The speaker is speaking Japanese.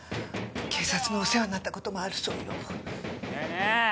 警察のお世話になった事もあるそうよ。ねえねえ！